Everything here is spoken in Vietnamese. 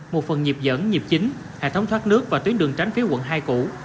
một phần nhịp dẫn nhịp chính hệ thống thoát nước và tuyến đường tránh phía quận hai cũ